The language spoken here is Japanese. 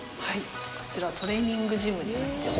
こちらトレーニングジムになっております。